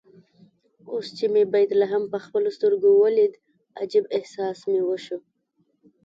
اوس چې مې بیت لحم په خپلو سترګو ولید عجيب احساس مې وشو.